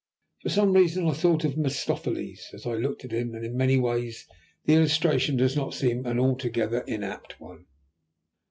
For some reason I thought of Mephistopheles as I looked at him, and in many ways the illustration does not seem an altogether inapt one.